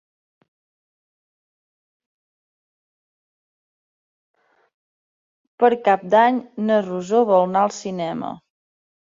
Per Cap d'Any na Rosó vol anar al cinema.